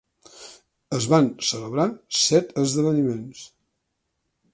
Es van celebrar set esdeveniments.